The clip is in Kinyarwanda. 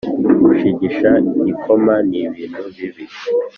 gushigisha igikoma nibintu bibi